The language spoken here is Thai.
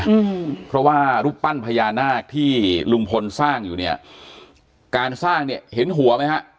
อืมเพราะว่ารูปปั้นพญานาคที่ลุงพลสร้างอยู่เนี่ยการสร้างเนี่ยเห็นหัวไหมฮะ